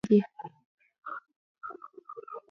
د کلیوالي سړکونو جوړول روان دي